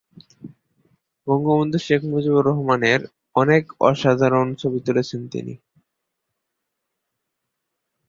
বঙ্গবন্ধু শেখ মুজিবুর রহমানের অনেক অসাধারণ ছবি তুলেছেন তিনি।